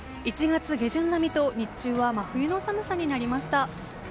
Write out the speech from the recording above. １月下旬並みと日中は真冬の寒さになりました。